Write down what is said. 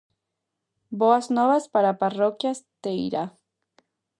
Boas novas para a parroquia esteirá.